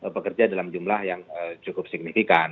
pekerja dalam jumlah yang cukup signifikan